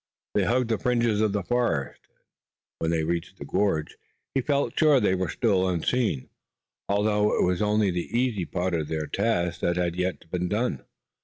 They hugged the fringe of forest, and when they reached the gorge he felt sure they were still unseen, although it was only the easy part of their task that had yet been done.